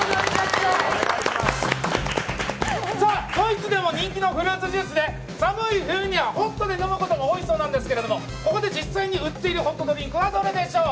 ドイツでも人気のフルーツジュース寒い冬にはホットで飲むことが多いそうなんですがここで実際に売っているホットドリンクはどれでしょう？